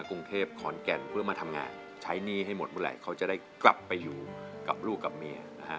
กรุงเทพขอนแก่นเพื่อมาทำงานใช้หนี้ให้หมดเมื่อไหร่เขาจะได้กลับไปอยู่กับลูกกับเมียนะฮะ